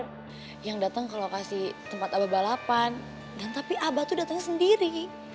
guy yang datang ke lokasi tempat abah balapan dan tapi abah daudat adalah sendiri